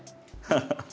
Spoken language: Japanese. ハハハッ。